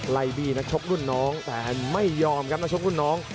บี้นักชกรุ่นน้องแต่ไม่ยอมครับนักชกรุ่นน้อง